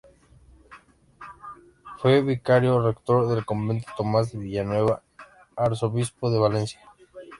Fue vicario rector del convento Tomás de Villanueva, arzobispo de Valencia.